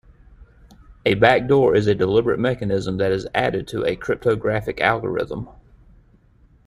A backdoor is a deliberate mechanism that is added to a cryptographic algorithm.